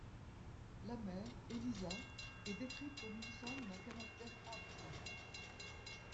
La mère, Élisa, est décrite comme une femme d'un caractère âpre.